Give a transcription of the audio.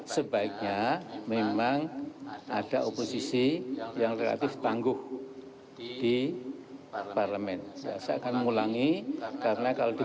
sebaiknya memang ada oposisi yang relatif tangguh di parlemen saya akan mengulangi karena kalau di